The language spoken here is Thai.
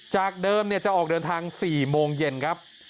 จากเดิมจะออกเดินทาง๔โมงเย็นครับ